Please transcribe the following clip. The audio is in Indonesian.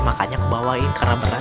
makannya kebawahin karena berat